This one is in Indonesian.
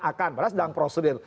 barangkali sedang prosedur